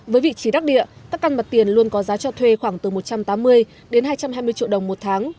với vị trí đắc địa các căn mặt tiền luôn có giá cho thuê khoảng từ một trăm tám mươi đến hai trăm hai mươi triệu đồng một tháng